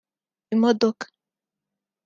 imodoka